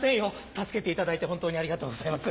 助けていただいて本当にありがとうございます。